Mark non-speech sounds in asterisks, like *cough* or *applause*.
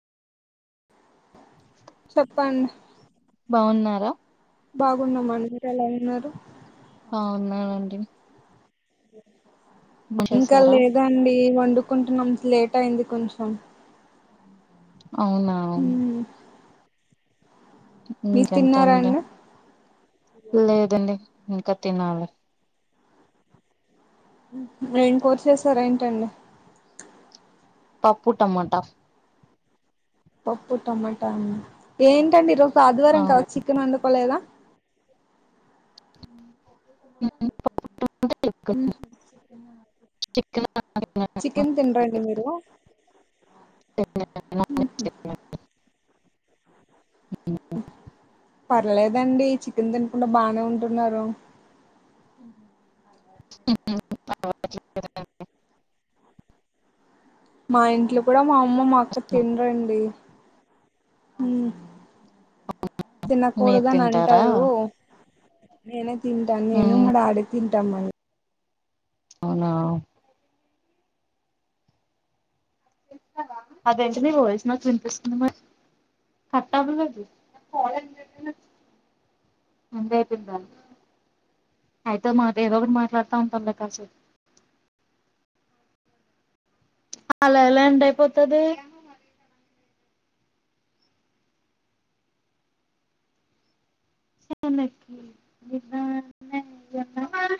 చెప్పండి బావున్నారా బాగున్నమండి మీరు ఎలా ఉన్నారు. ఆ ఉన్నానండి ఇంకా చేసారా లేద్ అండి వంట్ కడుకొంటున్నాం, లేట్ అయింది. కొంచెం. ఔనా మ్మ్. మీరు తిన్నారా ఇంకెంటంట, అండి లేదండి. ఇంక, తినాలే యేం కూర చేసరెంటండి‌. పప్పు, టమాట పప్పు టమటన, ఏంటండి ఈరోజ్ ఆదివారం కద, అవును చికెన్ వండు కోలేదా? ఉ హు, పప్పు ట మ్మ్. *unintelligible* చిక్కాగ చికెన్, తినరండి మీరు? తిన ఉహు పర్లేదండి చికెన్ తినకుండ, బానె ఉంటున్నారు. *unintelligible* మా ఇంట్లొ కూడ మామ్ అమ్మ, మా అక్క తెచ్చిన. తినరండి. హు మీరు తినకూడదని తింటారా అంటారూ నేనే తింటా నేను మ్మ్ మ డాడీ తిన్ ట్టమం అవునా అదేంటి మీరు వయిస్ వినిపిస్తుంది మరి కట్ అవ్వలేదు అంతె అయిపోంది అయితే మా ఏదో ఒకటి మాట్లాడుతా ఉంటాందా కాసేపు అలాఎలా ఎండ్ అయిపోతది సనకిన్న